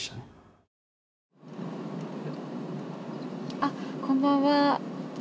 あっこんばんは。